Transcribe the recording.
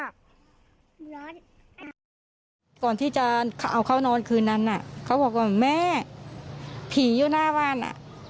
ก่อนที่จะเอาเขานอนคืนนั้นเขาบอกว่าแม่ผีอยู่หน้าบ้านอ่ะ